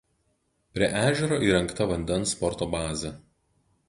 Prie ežero įrengta vandens sporto bazė.